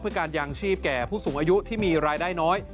เพื่อการยางชีพแก่ผู้สูงอายุที่มีรายได้น้อย